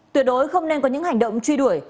tuyệt đối không nên có những hành động truy đuổi